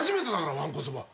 わんこそば。